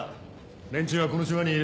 連中はこの島にいる。